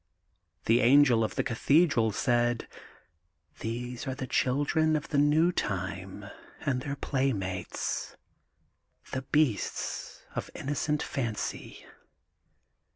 * The angel of the Cathedral said: * These are the children of the New Time and their playmates, the beasts of Innocent Fancy.